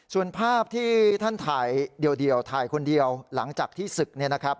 ส่วนภาพที่ท่านถ่ายเดียวถ่ายคนเดียวหลังจากที่ศึกเนี่ยนะครับ